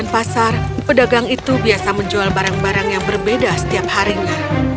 di pasar pedagang itu biasa menjual barang barang yang berbeda setiap harinya